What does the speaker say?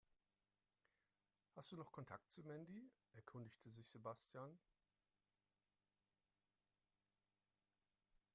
Hast du noch Kontakt zu Mandy?, erkundigte sich Sebastian.